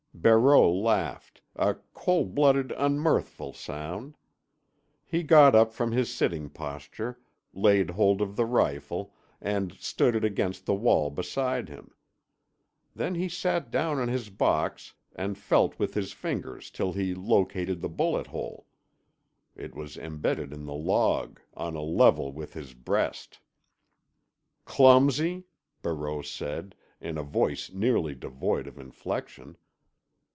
Barreau laughed, a cold blooded unmirthful sound. He got up from his sitting posture, laid hold of the rifle, and stood it against the wall beside him. Then he sat down on his box, and felt with his fingers till he located the bullet hole. It was embedded in the log, on a level with his breast. "Clumsy?" Barreau said, in a voice nearly devoid of inflection.